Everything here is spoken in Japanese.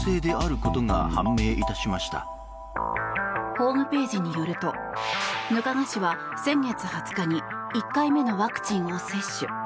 ホームページによると額賀氏は先月２０日に１回目のワクチンを接種。